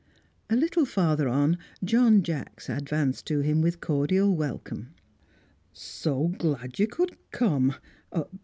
A little farther on, John Jacks advanced to him with cordial welcome. "So glad you could come.